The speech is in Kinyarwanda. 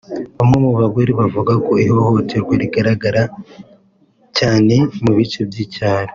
Bamwe mu bagore bavuga ko ihohoterwa ryigaragaza cyane mu bice by’icyaro